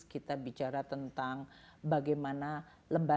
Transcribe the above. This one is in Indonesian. kita bicara tentang bagaimana lembaga lembaga itu